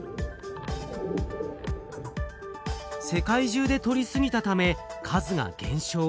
世界中でとりすぎたため数が減少。